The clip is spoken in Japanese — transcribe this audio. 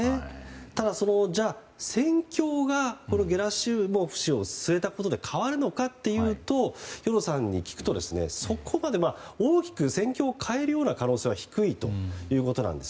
ただその戦況が、ゲラシモフ氏を据えたことで変わるのかというと兵頭さんに聞くとそこまで大きく戦況を変える可能性は低いということなんです。